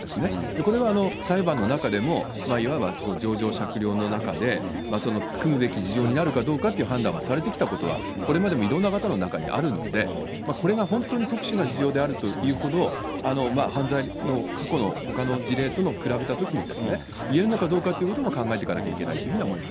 これは裁判の中でもいわば情状酌量の中で汲むべき事情になるかどうかという判断をされてきたことは、これまでもいろんな方の中にあるので、これが本当に特殊な事情であるか、犯罪の、過去のほかの事例とも比べたときに、言えるのかどうかというのは考えていかなきゃいけないと思います。